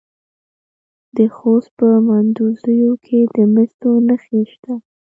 د خوست په مندوزیو کې د مسو نښې شته.